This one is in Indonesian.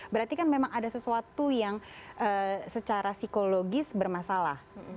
berarti kan memang ada sesuatu yang secara psikologis bermasalah